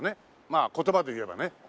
まあ言葉で言えばね。